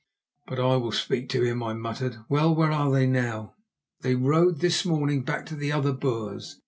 "But I will speak to him," I muttered. "Well, where are they now?" "They rode this morning back to the other Boers.